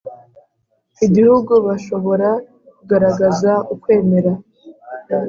Igihugu bashobora kugaragaza ukwemera